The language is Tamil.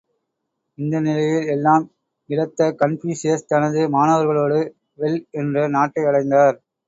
இந்த நிலையில் எல்லாம் இழத்த கன்பூசியஸ், தனது மாணவர்களோடு வெல் என்ற நாட்டை அடைந்தார்!